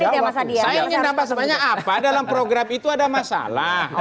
pertama saya ingin nampak semuanya apa dalam program itu ada masalah